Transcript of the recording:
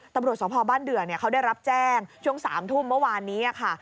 ตำรวจสภบ้านเดือเขาได้รับแจ้งช่วง๓ทุ่มเมื่อวานนี้ค่ะ